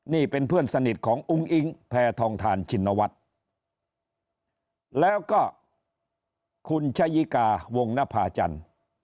นี่เป็นเพื่อนสนิทของอุ้งอิ๊งแพทองทานชินวัฒน์แล้วก็คุณชะยิกาวงนภาจันทร์